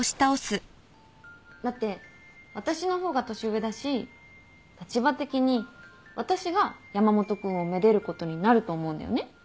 だって私の方が年上だし立場的に私が山本君をめでることになると思うんだよね。